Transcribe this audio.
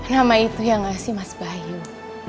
nama itu yang ngasih mas bayu